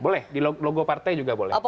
boleh di logo partai juga boleh